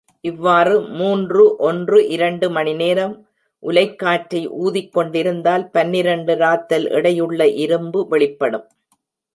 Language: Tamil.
இவ்வாறு மூன்று ஒன்று இரண்டு மணி நேரம் உலைக்காற்றை ஊதிக் கொண்டிருந்தால் பனிரண்டு ராத்தல் எடையுள்ள இரும்பு வெளிப்படும்.